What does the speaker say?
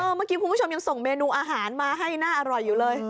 เมื่อกี้คุณผู้ชมยังส่งเมนูอาหารมาให้น่าอร่อยอยู่เลย